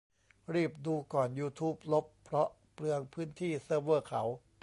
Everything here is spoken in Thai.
รีบดูก่อนยูทูบลบ เพราะเปลืองพื้นที่เซิร์ฟเวอร์เขา